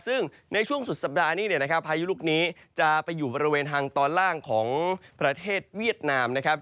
ซึ่งในช่วงสุดสัปดาห์นี้เนี่ยนะครับพายุลูกนี้จะไปอยู่บริเวณทางตอนล่างของประเทศเวียดนามนะครับ